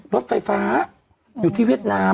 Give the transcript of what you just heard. รถไฟฟ้าอยู่ที่เวียดนาม